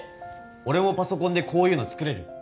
俺もパソコンでこういうの作れる？